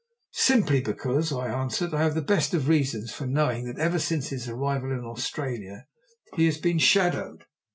"Simply because," I answered, "I have the best of reasons for knowing that ever since his arrival in Australia he has been shadowed.